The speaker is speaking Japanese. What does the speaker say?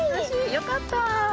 よかった。